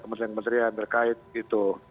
kementerian kementerian yang berkait gitu